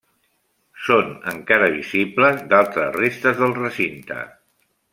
Són encara visibles d'altres restes del recinte.